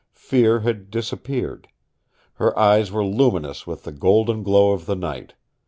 Fear had disappeared. Her eyes were luminous with the golden glow of the night.